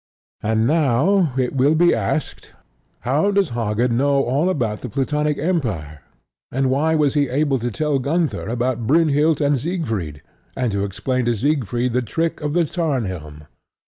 And now it will be asked how does Hagen know all about the Plutonic empire; and why was he able to tell Gunther about Brynhild and Siegfried, and to explain to Siegfried the trick of the Tarnhelm.